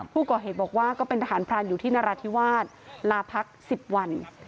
ผู้ก่อเหตุบอกว่าก็เป็นทหารพรานอยู่ที่นราธิวาสลาพัก๑๐วัน